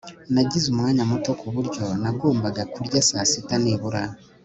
Nagize umwanya muto kuburyo nagombaga kurya saa sita nihuta